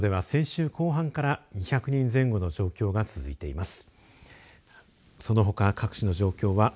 東京都では先週後半から２００人前後の状況が続いています。